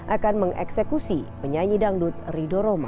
akan mengeksekusi penyanyi dangdut rido roma